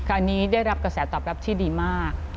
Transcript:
อันนี้ได้รับกระแสตอบรับที่ดีมาก